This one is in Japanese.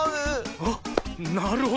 あっなるほど。